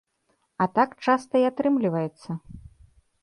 А так часта і атрымліваецца.